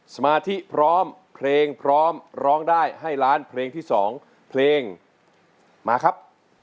สมาธิพร้อมเพลงพร้อมร้องได้ให้ล้านเพลงที่๒เพลงมาครับ